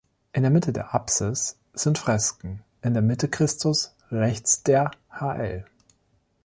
In der Mitte der Apsis sind Fresken: in der Mitte Christus, rechts der Hl.